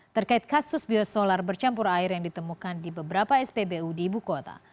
terkait kasus biosolar bercampur air yang ditemukan di beberapa spbu di ibu kota